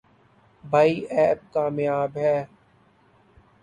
بھائی ایپ کامیاب ہے۔